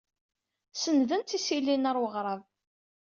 Senndent isili-nni ɣer weɣrab.